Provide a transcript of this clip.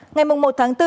ngày một tháng bốn